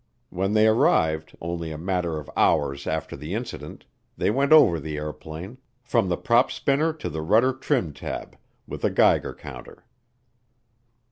When they arrived, only a matter of hours after the incident, they went over the airplane, from the prop spinner to the rudder trim tab, with a Geiger counter.